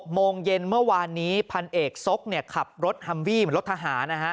โมงเย็นเมื่อวานนี้พันเอกซกขับรถฮัมวี่เหมือนรถทหารนะฮะ